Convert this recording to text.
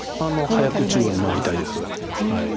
早く中央に回りたいです。